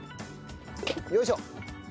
よいしょ！